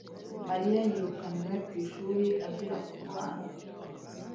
mariya yirukanwe ku ishuri azira kurwana